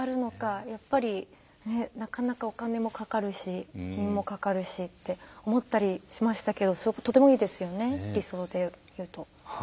やっぱりなかなかお金もかかるし人員もかかるしって思ったりしましたけどとてもいいですよね理想で言うと。